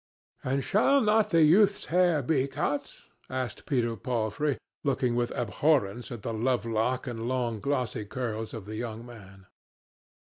"And shall not the youth's hair be cut?" asked Peter Palfrey, looking with abhorrence at the lovelock and long glossy curls of the young man.